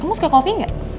kamu suka kopi gak